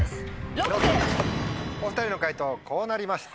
お２人の解答こうなりました。